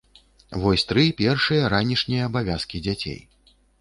Вось тры першыя ранішнія абавязкі дзяцей.